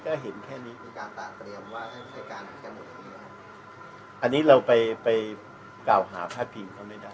ก็เห็นแค่นี้อันนี้เราไปไปกล่าวหาภาพีมเขาไม่ได้